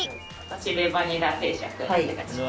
私レバニラ定食お願いします。